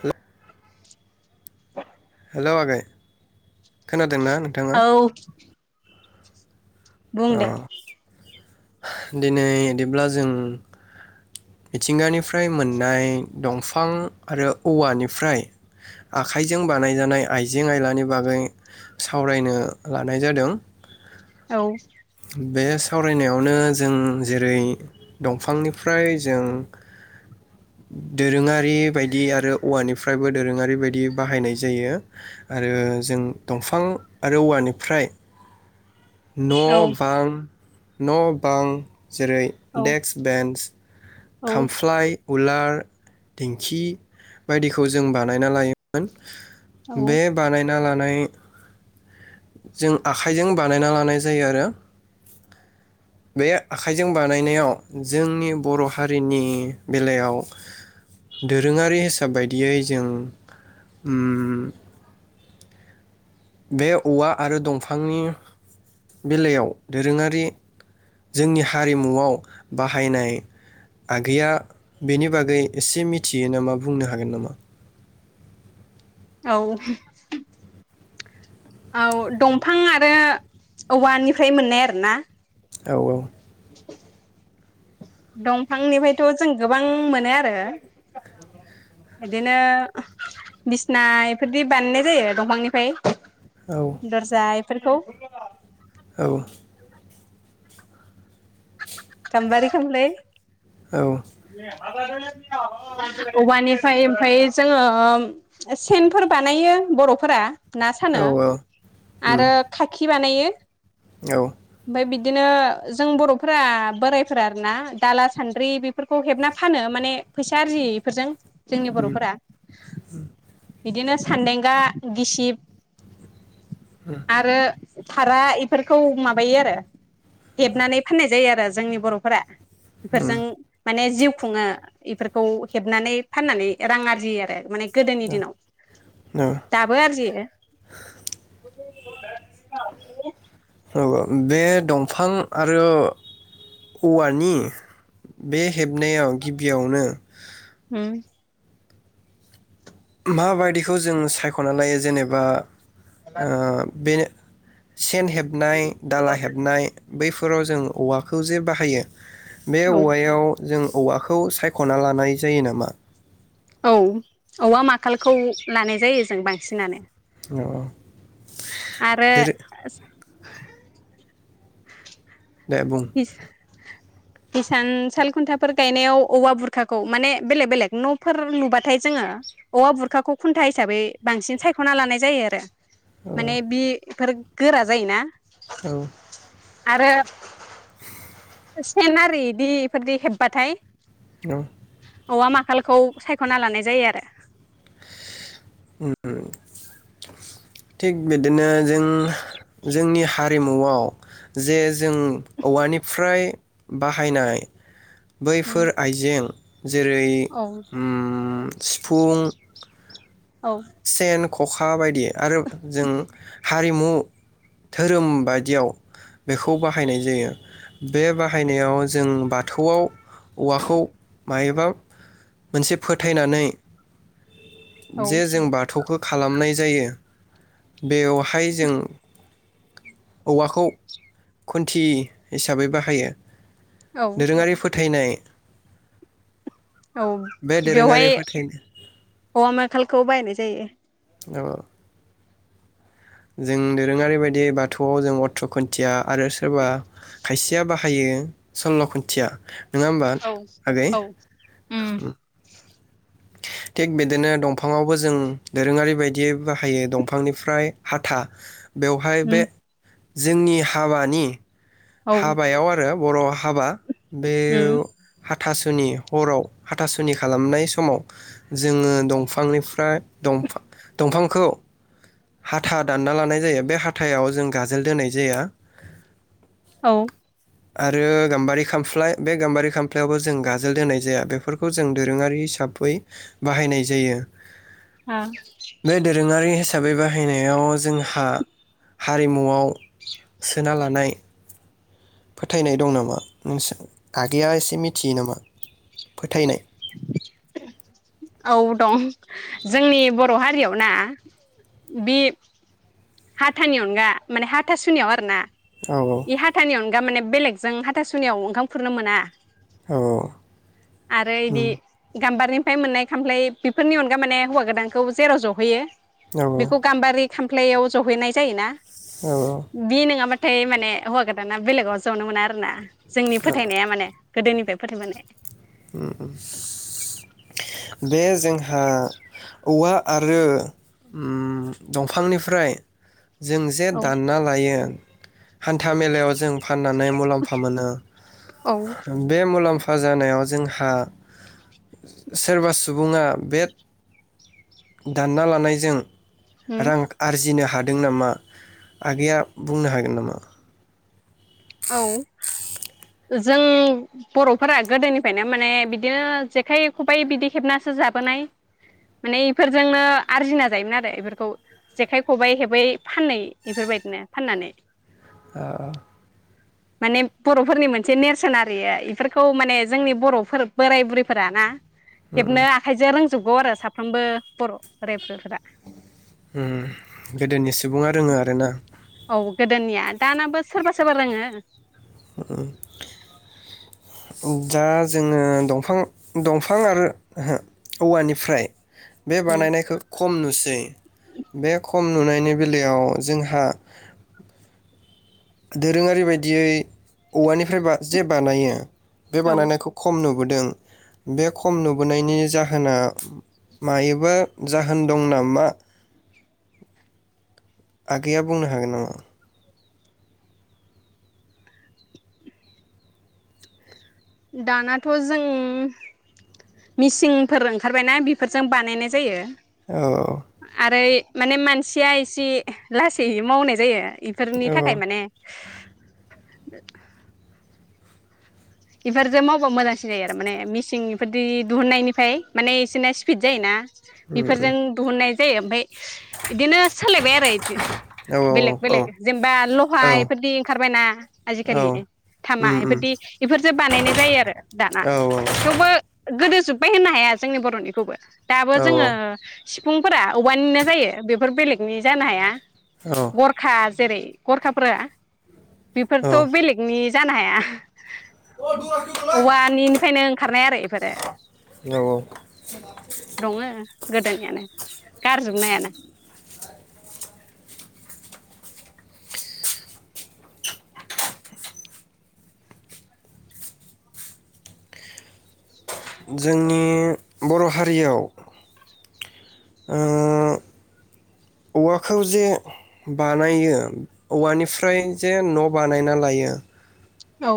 हेल' hello आगै खोनादोंना नोंथाङा औ अ बुंदो दिनै इदिब्ला जों मिथिंगानिफ्राय मोननाय दंफां आरो औवानिफ्राय आखाइजों बानायजानाय आइजें आयलानि बागै सावरायनो लानाय जादों औ बे सावरायनायावनो जों जेरै दंफांनिफ्राय जों दोरोङारि बायदि आरो औवानिफ्रायबो दोरोङारि बायदि बाहायनाय जायो आरो जों दंफां आरो औवानिफ्राय औ न' बां न' बां जेरै औ डेक्स बेन्स खामफ्लाय उलार दिंखि बायदिखौ जों बानायना लायोमोन औ बे बानायना ला नाय जों आखाइजों बा नायना लानाय जायो आरो बे आखाइजों बानायनायाव जोंनि बर' हारिनि बेलायाव दोरोङारि हिसाब बायदियै जों उम बे औवा आरो दंफांनि बेलायाव दोरोङारि जोंनि हारिमुआव बाहायनाय आगैया बेनि बागै एसे मिथियो नामा बुंनो हागोन नामा औ औ दंफां आरो औवानिफ्राय मोननाय आरोना औ औ दंफांनिफायथ' जों गोबां मोनो आरो बिदिनो बिसना इफोरदि बानायनाय जायो दंफांनिफ्राय औ दरजा फोरखौ औ गामबारि खाम्फाय औ [inaudible] औवानिफ्राय ओमफाय जोङो सेनफोर बानायो बर'फोरा ना औ सानो औ उम आरो खाखि बानायो औ ओमफाय बिदिनो जों बर'फोरा बोरायफोरा आरो ना दाला सान्द्रि बेफोरखौ हेबना फानो माने फैसा आरजियो इफोरजों जोंनि बर'फोरा बिदिनो सान्देंगा गिसिब आरो फारा इफोरखौ माबायो आरो हेबनानै फाननाय जायो आरो जोंनि बरफोरा उम बेफोरजों माने जिउ खुंङो बेफोरखौ हेबनानै फाननानै रां आरजियो आरो माने गोदोनि दिनाव औ दाबो आरजियो। औ वा बे दं बिफां आरो औवानि बे हेबनायाव गिबियावनो उम माबायदिखौ जों सायखना लायो जेनेबा ओ बेनो सेन हेबनाय दाला हेबनाय बैफोराव जों औवाखौ जे बाहायो बे औ औवायाव जों औवाखौ सायखना लानाय जायो नामा? औ औवा माखालखौ लानाय जायो जों बांसिनानो। अह आरो दे बुं हिस हिसान साल खुन्थाफोर गायनायाव औवा बुरखाखौ माने बेलेक बेलेग न'फोर नुबाथाय जोंङो औवा बुरखाखौ खुन्था हिसाबै बांसिन सायखना लानाय जायो आरो। औ माने बि फोर गोरा जायोना औ आरो सेन आरो बिदि इफोरदि हेबबाथाय औ औवा माखालखौ सायखना लानाय जायो आरो। उम थिग बिदिनो जों जोंनि हारिमुआव जे जों औवानिफ्राय बाहायनाय उम बैफोर आइजें जेरै औ उम सिफुं औ सेन खखा बायदि आरो जों हारिमु धोरोम बायदियाव बेखौ बाहायनाय जायो। बे बाहायनायाव जों बाथौआव औवाखौ मायोबा मोनसे फोथायनानै औ जे जों बाथौखौ खालामनाय जायो बेवहाय जों औवाखौ खुन्थि हिसाबै बाहायो। औ दोरोंङारि फोथायनाय औ बे दोरोङारि बेवहाय फोथायनाय औवा माखलखौ बायनोसै जायो। औ जों दोरोंङारि बायदि बाथौआव जों अथ्र खुन्थिया आरो सोरबा खायसेया बाहायो सल्ल' खुन्थिया नंङा होमबा औ आगै? औ उम थिग बिदिनो दंफाङावबो जों दोरोङारि बायदि बिदि बाहायो दंफांनिफ्राय हाथा बेवहाय उम बे जोंनि हाबानि औ हाबायाव आरो बर' हाबा। बे उम हाथासुनि हराव हाथासुनि खालामनाय समाव जोङो दंफांनिफ्राय दंफां दंफांखौ हाथा दानना लानाय जायो बे हाथाव जों गाजोल दोनाय जाया औ। आरो गाम्बारि खामफ्लाय बे गाम्बारि खामफ्लायावबो जों गाजोल दोननाय जाया बेफोरखौ जों दोरोङारि हिसाबै बाहायनाय जायो। आ बे दोरोङारि हि हिसाबै बाहायनायाव जोंहा हारिमुआव सोना लानाय फोथायनाय दं नामा नोंसोर आगैया एसे मिथियो नामा फोथायनाय औ दं जोंनि बर' हारियाव ना बे हाथानि अनगा माने हाथासुनियाव आरो ना औ हाथानि अनगा थारमाने बेलेगजों हाथासुनियाव ओंखाम खुरनो मोना। औ। गाम्बारनिफ्राय मोननाय खामफ्लाय बेफोरनि अनगा माने हौवा गोदानखौ जेराव जहैयो औ बेखौ गामबारि खामफ्लायाव जहैनाय जायोना औ बि नोङा माने माने हौवा गोदाना बेलेगाव जनो मोना आरो ना। जोंनि औ फोथायनाया माने गोदोनिफ्राय फोथायबोनाय बे जोंहा औवा आरो दंफांनिफ्राय जों जे औ दानना लायो। हान्था मेलायाव जों फाननानै मुलाम्फा मोनो औ बे मुलामफा खहा जानायाव जोंहा सोरबा सुबुङा बे दानना लानायजों उम रां आरजिनो हादों दों नामा आगैया बुंनो हागोन नामा। औ जों बर'फोरा गोदोनिफ्रायनो माने बिदिनो जेखाइ खबाइ बिदि हेबनासो जाबोनाय माने इफोरजोंनो आरजिना जायोमोन आरो इफोरखौ जेखाइ खबाइ खेबै फानै इफोरबायदिनो फाननानै। औ माने बर'फोरनि मोनसे नेरसोन आरो इयो इफोरखौ माने जोंनि बर'फोर बोराय बुरैफोरा ना उम हेबनो आखाइजों रों जोबगौ आरो साफ्रोमबो बर' बोराय बुरैफोरा उम्म गोदोनि सुबुंङा रोंङो आरो ना? औ गोदोनिया दानाबो सोरबा सोरबा रोंङो। उम्म दा जोंङो दंफां दंफां आरो ओहो औवानिफ्राय बे उम बानायनायखौ खम नुस सै बे खम नुनायनि बेलायाव जोंहा दोरोंङारि बायदियै औवानि फ्राय जे बानायो बे औ बानायनायखौ खम नुब नुबोदों बे खम नुबोनायनि जाहोना मायोबा जाहोन दं नामा आगैया बुंनो हागोन नामा? दानाथ' जों मिसिंफोर ओंखारबायना बेफोरजों बानायनाय जायो। औ आरो माने मानसिया एसे लासैै मावनाय जायो। बेफोरनि थाखाय औ माने [inaudible] इफोरजों मावबा मोजांसिन जायो आरो माने मिसिं बेफोरदि दिहुननायनिफ्राय माने इसोरना स्पिद जायो ना। औ उम उम बेफोरजों दोहुननाय दे ओमफ्राय बिदिनो सोलायबाय आरोदि बेलेग बेलेग औ जेनेबा औ लहाय इफोरदि ओंखारबायना औ आजिखालि थामा उम उम इफोरदि बेफोरजों बानायनाय जायो आरो दाना औ थेवबो गोदो जोब्बाय होननो हाया जोंनि बर'निखौबो दाबो जोंङो सिफुंफोरा औवानिनो जायो बेफोर बेलेगनि जानो हाया। गरखा जेरै गरखाफोरा बेफोरथ' बेलेगनि जानो हाया औ औवानिनफ्रायनो ओंखारनाय आरो एफोरो औ औ दङो गोदोनियानो गारजोबनो हायाना जोंनि बर' हारियाव ओ औवाखौ जे बानायो औवानिफ्राय जे न' बानायना लायो। औ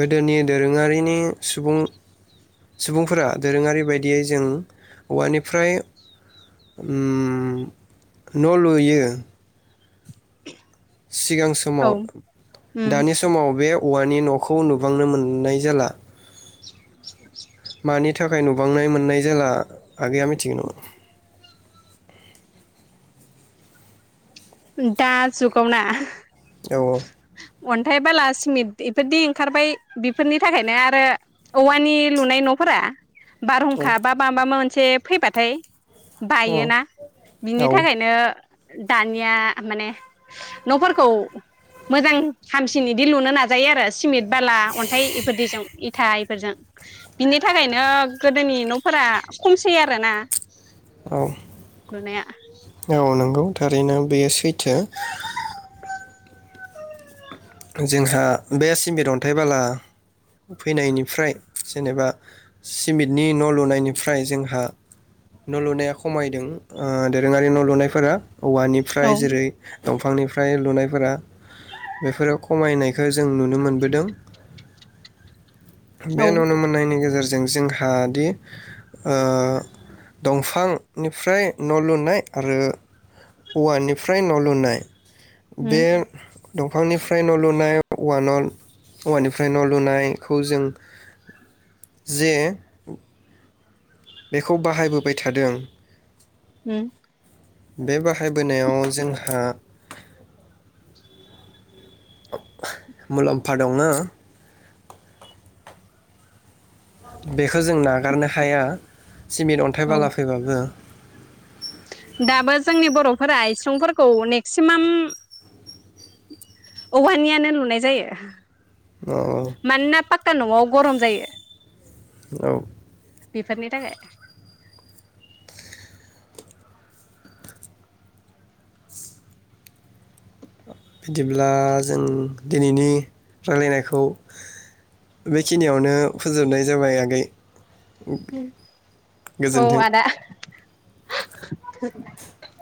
गोदोनि दोरोंङारिनि सुबुं सुबुंफोरा दोरोंङारि बायदियै जों औवानिफ्राय उम्म न' लुयो। सिगां औ समाव उम दानि समाव बे औवानि न'खौ नुबांनो मोननाय जाला, [unintelligible] मानि थाखाय नुबांनाय मोननाय जाला आगैया मिथिगौ नामा? दा जुगावना, औ औ अन्थाइ बाला सिमेन्ट बेफोरदि ओंखारबाय बेफोरनि थाखायनो आरो औवानि लुनाय न'फोरा, औ बारहुंखा बा बा मोन से फैबाथाय, बायोना बिनि औ थाखायनो दा दानिया माने न'फोरखौ मोजां हामसिन बिदि लुनो नाजायो आरो सिमेन्ट बाला अन्थाइ इफोरदिजों इथा इफोरजों बिनि थाखायनो गोदोनि न'फोरा खमसै आरोना, औ लुनाया औ नंगौ थार ओरैनो बेयो सैथो, जोंहा बे सिमेट अन्थाइ बाला फैनायनिफ्राय जेनेबा सिमेटनि न' लुनायनिफ्राय जोंहा न' लुनाया खमायदों ओ दोरोङारि न' लुनायफोरा, औ औवानिफ्राय जेरै दंफांनिफ्राय लुनायफोरा बेफोराव खमायनाय जों नुनो मोनबोदों, औ बे नुनो मोननायनि गेजेर जों जोंहा दि दंफांनिफ्राय न' लुनाय आरो औवानिफ्राय न' लुनाय बे उम दंफांनि फ्राय न' लुनाय औ न औवानिफ्राय न' लुनायखौ जों जे बेखौ बाहायबोबाय थादों, उम बे बाहायबोनायाव जोंहा, मुलाम्फा दङो बेखौ जों नागारनो हाया, सिमेन्ट अन्थाइ औ बाला फैबाबो दाबो जोंनि बर'फोरा इसंफोरखौ मेक्सिमाम, औवानियानो लुनाय जायो। औ पाकानि न'आव गरम जायो। औ बेफोरनि थाखाय बिदिब्ला जों दिनैनि रायलायनायखौ बेखिनियावनो फोजोबनाय जाबाय आगै, औ गोजोन्थों आदा, [unintelligible]